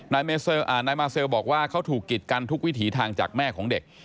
นายมาเซลบอกว่าเขาถูกกิดกันทุกวิถีทางจากแม่ของเด็ก